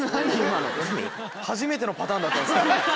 今の初めてのパターンだったんですけど。